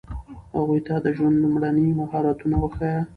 هغوی ته د ژوند لومړني مهارتونه وښایئ.